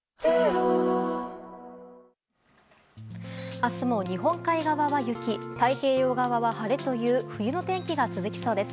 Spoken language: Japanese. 明日も日本海側は雪太平洋側は晴れという冬の天気が続きそうです。